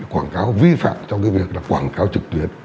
quảng cáo vi phạm trong cái việc là quảng cáo trực tuyến